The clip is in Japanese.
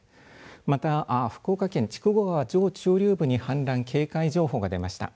また福岡県、筑後川上中流部に氾濫警戒情報が出ました。